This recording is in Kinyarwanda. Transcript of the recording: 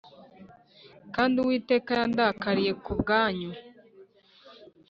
Kandi Uwiteka yandakariye ku bwanyu